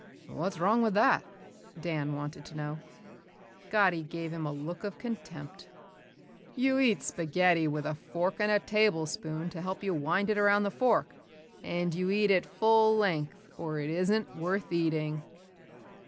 "What's wrong with that?" Dan wanted to know. Gatti gave him a look of contempt. "You eat spaghetti with a fork and a tablespoon to help you wind it around the fork and you eat it full length or it isn't worth eating."